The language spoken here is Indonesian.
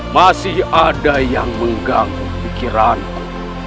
masih ada yang mengganggu pikiranku